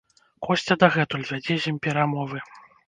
Косця дагэтуль вядзе з ім перамовы.